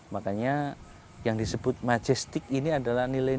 makanya yang disebut majestik ini adalah nilai nilai